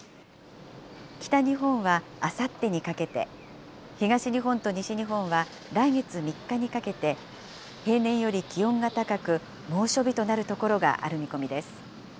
北日本はあさってにかけて、東日本と西日本は来月３日にかけて、平年より気温が高く、猛暑日となる所がある見込みです。